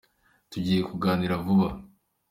Tugiye kuganira vuba.